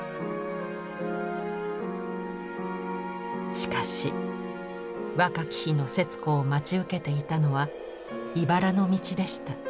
しかし若き日の節子を待ち受けていたのはいばらの道でした。